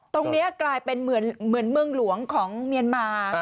ตรงนี้กลายเป็นเหมือนเมืองหลวงของเมียนมา